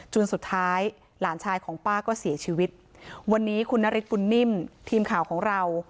สุดท้ายหลานชายของป้าก็เสียชีวิตวันนี้คุณนฤทธบุญนิ่มทีมข่าวของเรา